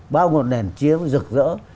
bao ngọn đèn chiếm rực rỡ